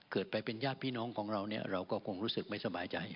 เกิดไปเป็นญาติพี่น้องของเราเนี่ยเราก็คงรู้สึกไม่สบายใจ